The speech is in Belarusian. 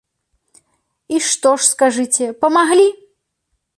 І што ж, скажыце, памаглі?